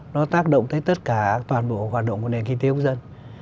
nó tác động tới tất cả toàn bộ hoạt động của nền kinh tế quốc dân